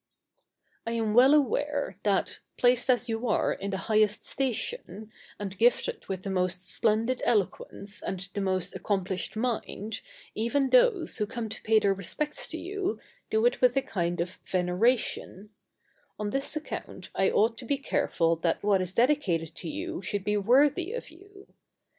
I am well aware, that, placed as you are in the highest station, and gifted with the most splendid eloquence and the most accomplished mind, even those who come to pay their respects to you, do it with a kind of veneration: on this account I ought to be careful that what is dedicated to you should be worthy of you.